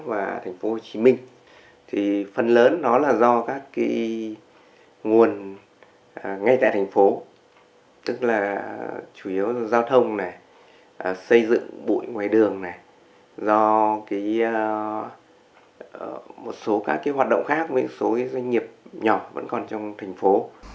tại thành phố hồ chí minh phần lớn là do các nguồn ngay tại thành phố tức là chủ yếu là giao thông xây dựng bụi ngoài đường do một số các hoạt động khác với số doanh nghiệp nhỏ vẫn còn trong thành phố